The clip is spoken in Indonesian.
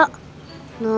tante dewi marah